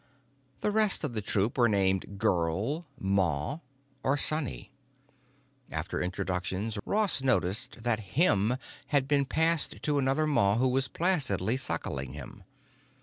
The rest of the troop were named Girl, Ma, or Sonny. After introductions Ross noticed that Him had been passed to another Ma who was placidly suckling him.